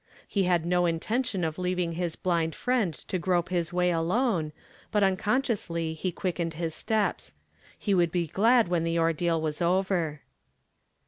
He had no intention of lenving his blind friend ^o grope liis way alone, but unconsciously he quickened his steps, lie would be glad when the ordeal was over.